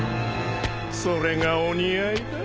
それがお似合いだ。